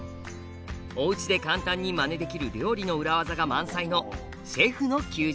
おうちで簡単にまねできる料理の裏技が満載の「シェフの休日」。